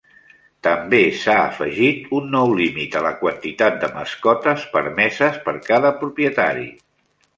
També s'ha afegit un nou límit a la quantitat de mascotes permeses per cada propietari.